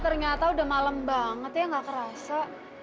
ternyata udah malam banget ya gak kerasa